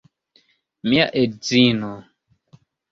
Mia edzino!